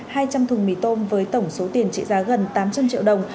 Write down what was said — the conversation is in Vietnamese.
hai trăm linh thùng mì tôm với tổng số tiền trị giá gần tám trăm linh triệu đồng